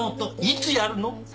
いつやるの？